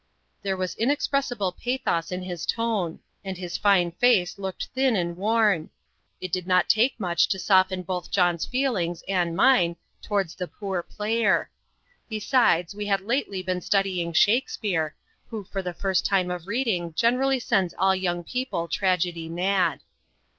'" There was inexpressible pathos in his tone, and his fine face looked thin and worn it did not take much to soften both John's feelings and mine towards the "poor player." Besides, we had lately been studying Shakspeare, who for the first time of reading generally sends all young people tragedy mad.